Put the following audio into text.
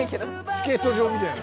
スケート場みたいな。